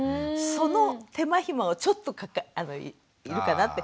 その手間暇をちょっと要るかなって。